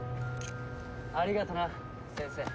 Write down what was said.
ありがとな先生。